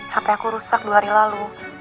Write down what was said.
hp aku rusak dua hari lalu